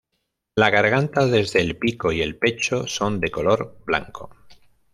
La garganta desde el pico y el pecho son de color blanco.